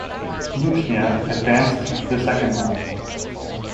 Lushnja advanced to the second round.